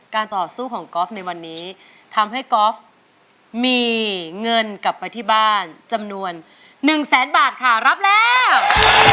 ต่อสู้ของกอล์ฟในวันนี้ทำให้กอล์ฟมีเงินกลับไปที่บ้านจำนวน๑แสนบาทค่ะรับแล้ว